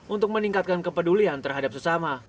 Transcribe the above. untuk meningkatkan kepedulian terhadap sesama